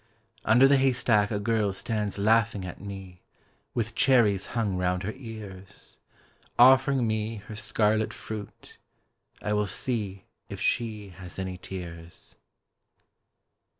Under the haystack a girl stands laughing at me, With cherries hung round her ears Offering me her scarlet fruit: I will see If she has any tears.